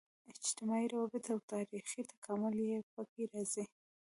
اجتماعي روابط او تاریخي تکامل یې په کې راځي.